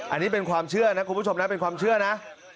อันนี้เป็นความเชื่อนะคุณผู้ชมนะเป็นความเชื่อนะ